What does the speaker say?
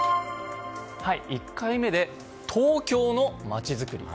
１回目で東京の街づくり